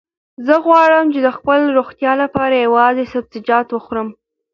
زه غواړم چې د خپلې روغتیا لپاره یوازې سبزیجات وخورم.